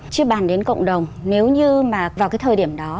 chứ bàn đến cộng đồng nếu như vào thời điểm đó